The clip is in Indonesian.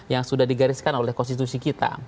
yang sudah digariskan oleh konstitusi kita